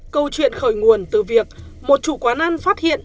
câu chuyện khởi nguồn từ việc một chủ quán ăn phát hiện